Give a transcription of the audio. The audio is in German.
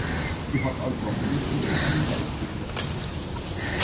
Sie hat also am Flussufer seinen Geist getroffen.